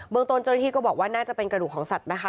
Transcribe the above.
ตนเจ้าหน้าที่ก็บอกว่าน่าจะเป็นกระดูกของสัตว์นะคะ